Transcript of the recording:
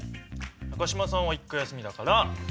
中島さんは１回休みだから。